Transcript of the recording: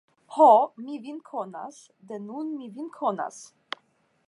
Ho, mi vin konas, de nun mi vin konas!